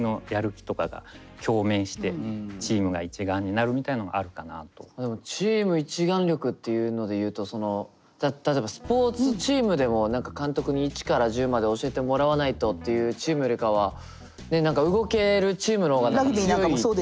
何かそういうのと同じような感じでチーム一丸力っていうので言うと例えばスポーツチームでも監督に１から１０まで教えてもらわないとっていうチームよりかは何か動けるチームの方が強いっていう。